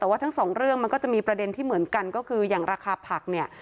แต่ว่าทั้งสองเรื่องมันก็จะมีประเด็นที่เหมือนกันก็คืออย่างราคาผักเนี่ย